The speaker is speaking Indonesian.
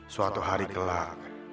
suatu hari kelak